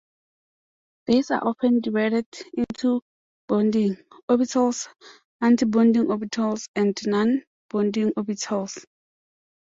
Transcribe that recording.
These are often divided into "bonding" orbitals, anti-bonding orbitals, and non-bonding orbitals.